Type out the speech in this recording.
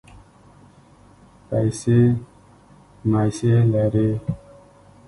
پیسې مېسې لرې.